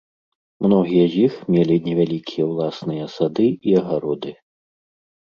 Многія з іх мелі невялікія ўласныя сады і агароды.